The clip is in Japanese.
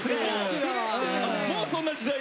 もうそんな時代に？